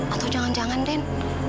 atau jangan jangan den